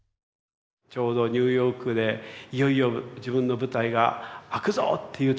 ちょうどニューヨークでいよいよ自分の舞台が開くぞという時９・１１。